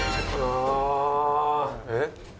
えっ？